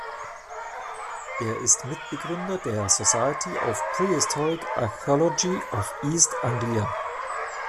Er ist Mitbegründer der Society of Prehistoric Archaeology of East Anglia.